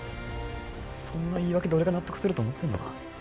そんな言い訳で俺が納得すると思ってんのか？